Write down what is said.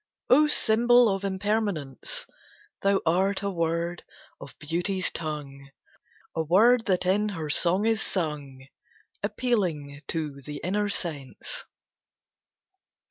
O symbol of Impermanence, Thou art a word of Beauty's tongue, A word that in her song is sung, Appealing to the inner sense!